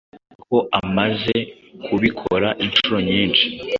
ko amaze kubikora inshuro nyinshi